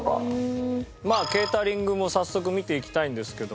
まあケータリングも早速見ていきたいんですけども。